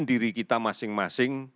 diri kita masing masing